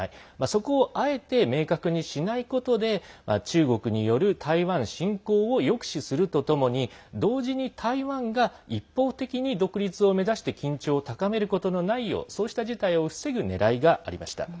そこを、あえて明確にしないことで中国による台湾侵攻を抑止するとともに同時に台湾が一方的に独立を目指して緊張を高めることのないようそうした事態を防ぐねらいがありました。